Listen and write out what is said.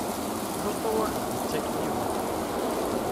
Lutu ur k-d-ittak yiwen.